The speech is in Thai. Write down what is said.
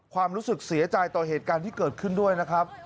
ความรู้สึกเสียใจต่อเหตุการณ์ที่เกิดขึ้นด้วยนะครับ